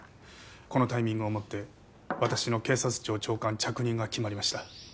このタイミングをもって私の警察庁長官着任が決まりました